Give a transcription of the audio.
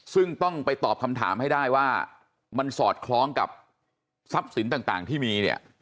ซึ่งต้องไปตอบคำถามให้ได้ว่ามันสอดคล้องกับทรัพย์สินต่างที่มีเนี่ย